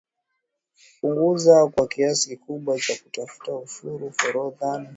kupunguza kwa kiasi kikubwa na kufuta ushuru forodha na kuondoa vikwazo vingine vya kibiashara